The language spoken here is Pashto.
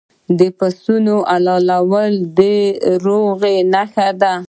د پسونو حلالول د روغې نښه ده.